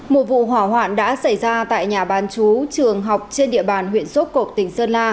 một vụ hỏa hoạn đã xảy ra tại nhà bán chú trường học trên địa bàn huyện sốt cộp tỉnh sơn la